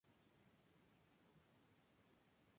El trabajo fue compuesto para un grupo de instrumentos.